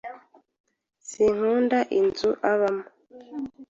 Sinkunda inzu abamo.